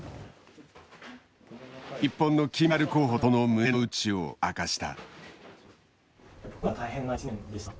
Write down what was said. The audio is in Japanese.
日本の金メダル候補たちがその胸の内を明かした。